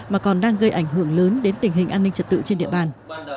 mà còn đang gây ảnh hưởng lớn đến tình hình an ninh trật tự trên địa bàn